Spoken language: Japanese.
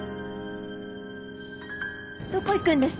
どこ行くんですか？